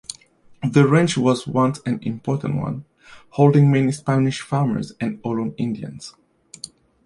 The ranch was once an important one, holding many Spanish farmers and Ohlone Indians.